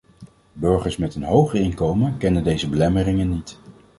Burgers met een hoger inkomen kennen deze belemmeringen niet.